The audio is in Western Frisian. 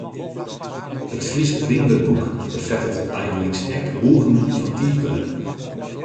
It Frysk rymwurdboek befettet bygelyks ek bûgingen fan tiidwurden.